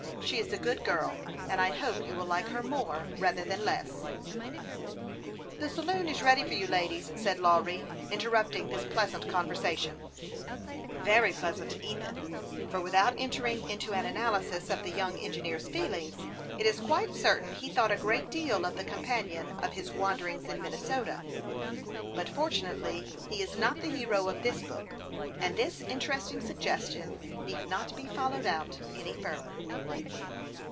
She is a good girl, and I hope you will like her more, rather than less." " The saloon is ready for you, ladies," said Lawry, interrupting this pleasant conversation very pleas ant to Ethan, for without entering into an analysis of the young engineer's feelings, it is quite certain he thought a great deal of the companion of his wander ings in Minnesota ; but fortunately he is not the hero of this book, and this interesting suggestion need not be followed out any farther.